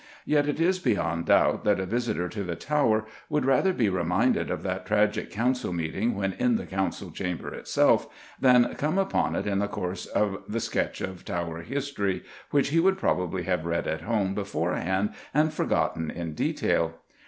Yet it is beyond doubt that a visitor to the Tower would rather be reminded of that tragic Council meeting when in the Council Chamber itself, than come upon it in the course of the sketch of Tower history, which he would probably have read at home beforehand and forgotten in detail.